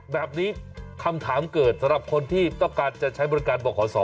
แบบนี้คำถามเกิดสำหรับคนที่ต้องการจะใช้บริการบอกขอสอ